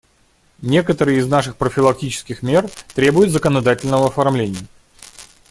Некоторые из наших профилактических мер требуют законодательного оформления.